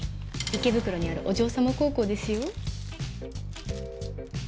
池袋にあるお嬢様高校ですよ。